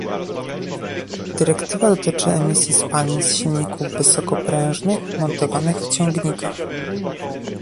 Dyrektywa dotyczy emisji spalin z silników wysokoprężnych montowanych w ciągnikach